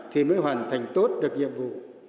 thì mới hoàn thành tốt được nhiệm vụ